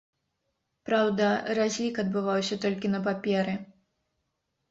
Праўда, разлік адбываўся толькі на паперы.